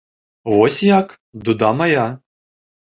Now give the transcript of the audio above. Вось як, дуда мая!